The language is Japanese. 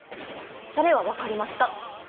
それは分かりました！